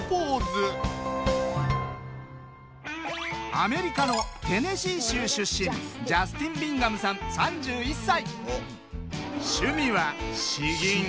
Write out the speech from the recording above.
アメリカのテネシー州出身ジャスティン・ビンガムさん３１歳。